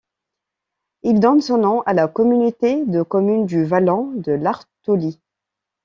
Il donne son nom à la communauté de communes du Vallon de l'Artolie.